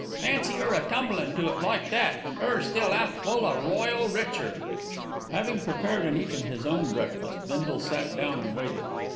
"Fancy 'er a tumblin' to it like that, an' 'er still 'alf full o' Royal Richard." Having prepared and eaten his own breakfast, Bindle sat down and waited.